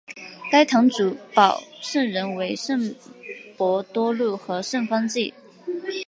该堂主保圣人为圣伯多禄和圣方济。